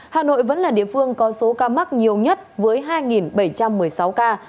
hà nội vẫn là địa phương có số ca mắc nhiều nhất với hai bảy trăm một mươi sáu ca